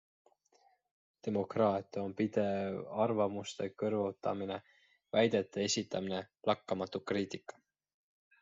Demokraatia on pidev arvamuste kõrvutamine, väidete esitamine, lakkamatu kriitika.